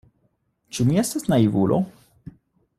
Ĉu mi estas naivulo?